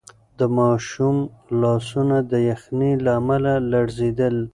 د ماشوم لاسونه د یخنۍ له امله لړزېدل.